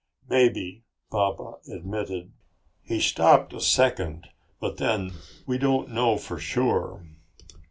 "Maybe," Baba admitted. "He stopped a second. But then we don't know for sure!"